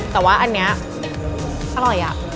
แต่ว่าอันนี้อร่อยอะ